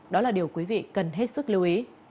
đó là điều quý vị cần hết sức lưu ý